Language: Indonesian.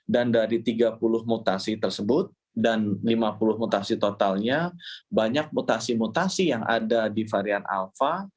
dan dari tiga puluh mutasi tersebut dan lima puluh mutasi totalnya banyak mutasi mutasi yang ada di varian alpha